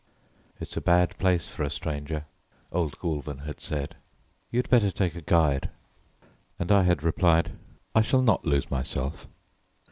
"It's a bad place for a stranger," old Goulven had said: "you'd better take a guide;" and I had replied, "I shall not lose myself."